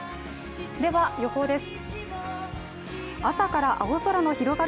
では、予報です。